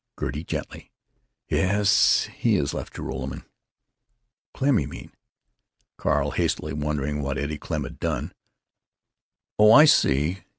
Gertie (gently): "Yes.... He—has left Joralemon.... Klemm, you mean." Carl (hastily, wondering what Eddie Klemm had done): "Oh, I see....